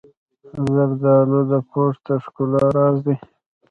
زردالو د پوست د ښکلا راز دی.